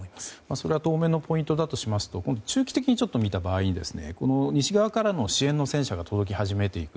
それが当面のポイントだとしますと中期的に見た場合西側からの支援の戦車が届き始めている。